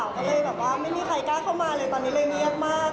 ก็เลยแบบว่าไม่มีใครกล้าเข้ามาเลยตอนนี้เลยเงียบมาก